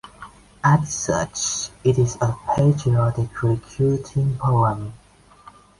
As such, it is a patriotic recruiting poem.